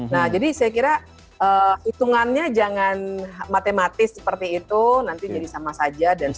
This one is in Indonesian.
nah jadi saya kira hitungannya jangan matematis seperti itu nanti jadi sama saja